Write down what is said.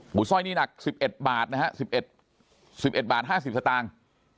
สร้อยนี่หนัก๑๑บาทนะฮะ๑๑บาท๕๐สตางค์